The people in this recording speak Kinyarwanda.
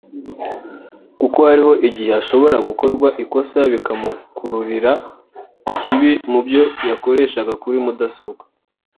kuko hariho igihe hashobora gukorwa ikosa bikamukururira ikibi mu byo yakoreraga kuri mudasobwa